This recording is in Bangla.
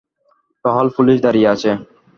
টহল পুলিশ দাঁড়িয়ে আছে।